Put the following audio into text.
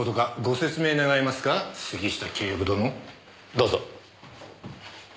どうぞ。